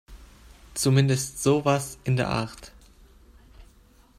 Zumindest sowas in der Art.